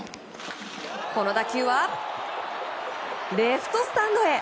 この打球はレフトスタンドへ。